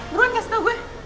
beruan kasih tau gue